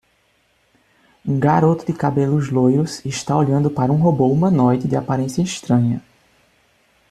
Um garoto de cabelos loiros está olhando para um robô humanoide de aparência estranha.